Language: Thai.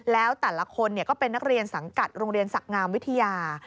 แล้วแต่ละคนก็เป็นนักเรียนสังกัดโรงเรียนศักดิ์งามวิทยา